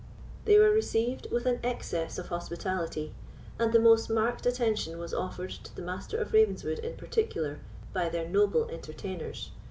They were received with an excess of hospitality; and the most marked attention was offered to the Master of Ravenswood, in particular, by their noble entertainers.